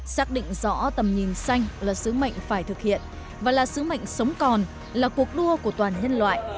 xác định rõ tầm nhìn xanh là sứ mệnh phải thực hiện và là sứ mệnh sống còn là cuộc đua của toàn nhân loại